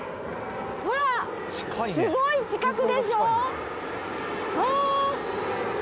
ほら、すごい近くでしょ？